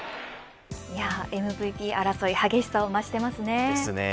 ＭＶＰ争い激しさを増していますね。